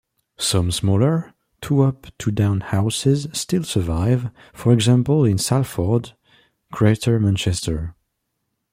Some smaller, two-up two-down houses still survive, for example in Salford, Greater Manchester.